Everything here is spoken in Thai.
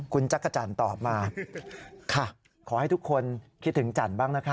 คุณจักรจันทร์ตอบมาค่ะขอให้ทุกคนคิดถึงจันทร์บ้างนะคะ